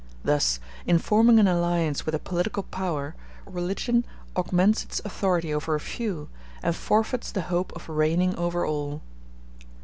Thus, in forming an alliance with a political power, religion augments its authority over a few, and forfeits the hope of reigning over all.